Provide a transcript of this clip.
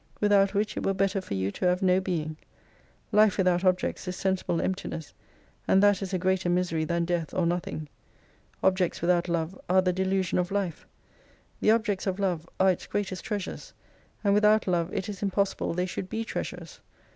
"Without which it were better for you to have no being. Life without objects is sensible emptiness, and that is a greater misery than death or nothing. Objects without Love are the delusion of life. The Objects of Love are its greatest treasures : and without Love it is impossible they should be treasures.